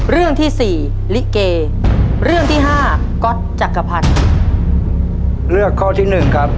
เรื่องข้อที่๑ครับ